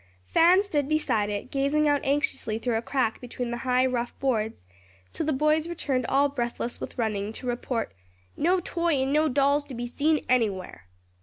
Fan stood beside it, gazing out anxiously through a crack between the high, rough boards till the boys returned all breathless with running, to report, "No Toy and no dolls to be seen anywhere."